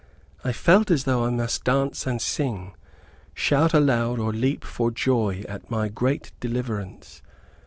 I felt as though I must dance and sing, shout aloud or leap for joy at my great deliverance.